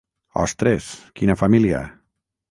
Ostres, quina família!